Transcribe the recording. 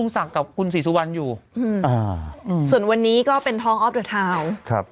ส่วนวันนี้เป็นท้องออฟเตอร์ทาวน์